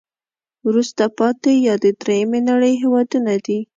وروسته پاتې یا د دریمې نړی هېوادونه دي.